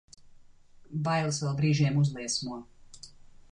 Bailes vēl brīžiem uzliesmo.